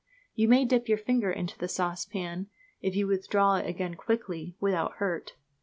You may dip your finger into the saucepan if you withdraw it again quickly without hurt.